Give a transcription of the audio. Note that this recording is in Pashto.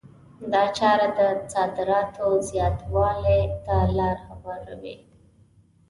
دا چاره د صادراتو زیاتوالي ته لار هواروي.